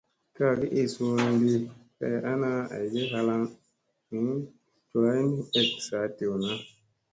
Kaagi ii suuna di kay ana aygi halaŋgi col ay nii ek saa dewna.